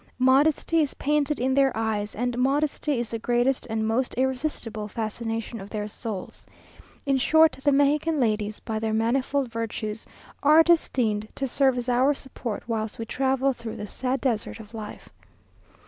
Modesty is painted in their eyes, and modesty is the greatest and most irresistible fascination of their souls. In short, the Mexican ladies, by their manifold virtues, are destined to serve as our support whilst we travel through the sad desert of life.